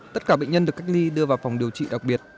tất cả bệnh nhân được cách ly đưa vào phòng điều trị đặc biệt